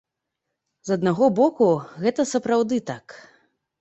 З аднаго боку, гэта сапраўды так.